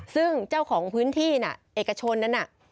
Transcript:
ซึ่งเจ้าของพื้นที่น่ะเอกชนนั้นน่ะ